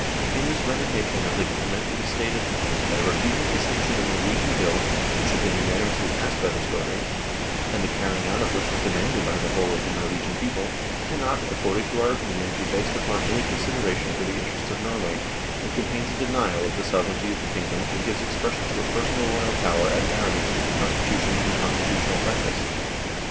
In this resignation of the Government it is stated " that a refusal to sanction a Norwegian bill, which had been unanimously passed by the Storthing and the carrying out of which was demanded by the whole of the Norwegian people, cannot, according to our opinion, be based upon any consideration for the interests of Norway, and contains a denial of the sovereignty of the kingdom and gives expression to a personal royal power at variance with the Constitu tion and constitutional practice."